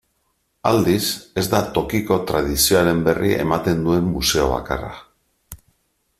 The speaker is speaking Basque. Aldiz, ez da tokiko tradizioaren berri ematen duen museo bakarra.